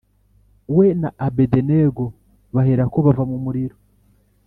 We na Abedenego baherako bava mu muriro